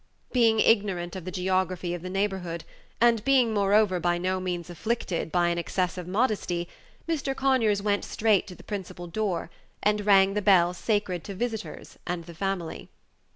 Being ignorant of the geography of the neighborhood, and being, moreover, by no means afflicted by an excess of modesty, Mr. Conyers went straight to the principal door, and rang the bell sacred to visitors and the family.